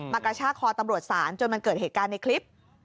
กระชากคอตำรวจศาลจนมันเกิดเหตุการณ์ในคลิป